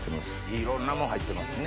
いろんなもの入ってますね。